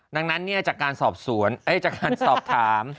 ดังนั้นจากการสอบสวนจากการสอบถาม